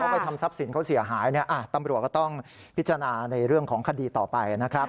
ไปทำทรัพย์สินเขาเสียหายตำรวจก็ต้องพิจารณาในเรื่องของคดีต่อไปนะครับ